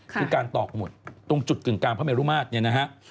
คือการตอกหมดตรงจุดกึ่งกลางพระเมรุมาตรเนี่ยนะฮะ